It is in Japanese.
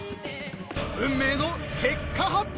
［運命の結果発表］